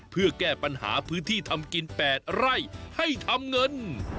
เพื่อแก้ปัญหาพื้นที่ทำกิน๘ไร่ให้ทำเงิน